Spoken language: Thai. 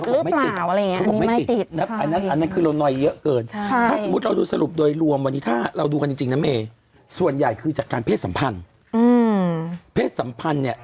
แล้วเนอะค่ะนี่ก็จะเป็นรุ่นแม่แล้วค่ะพี่นี่หนูเป็นอิสุอิสัยตั้งแต่